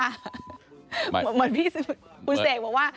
เหมือนพี่เสกบอกว่า